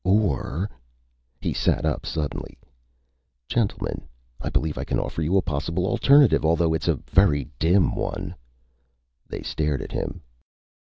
Or He sat up suddenly. "Gentlemen, I believe I can offer you a possible alternative, although it's a very dim one." They stared at him.